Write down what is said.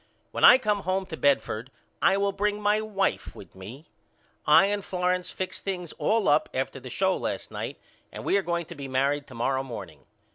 When I come home to Bedford I will bring my wife with me. I and Florence fixed things all up after the show last night and we are going to be married to morrow morning.